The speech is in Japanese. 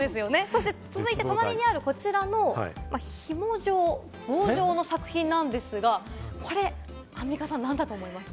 続いて隣にあるこちらの紐状、棒状の作品なんですが、これアンミカさん、なんだと思いますか？